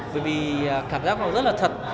vì cảm giác nó rất là thật